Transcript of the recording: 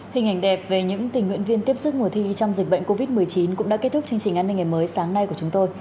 hình ảnh đẹp về những tình nguyện viên tiếp xúc mùa thi trong dịch bệnh covid một mươi chín cũng đã kết thúc chương trình an ninh ngày mới sáng nay của chúng tôi